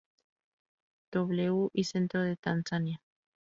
W. y centro de Tanzania.